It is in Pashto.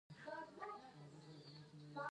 د کولون سرطان د کولمو سرطان دی.